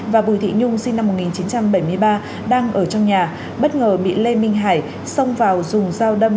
và bùi thị nhung sinh năm một nghìn chín trăm bảy mươi ba đang ở trong nhà bất ngờ bị lê minh hải xông vào dùng dao đâm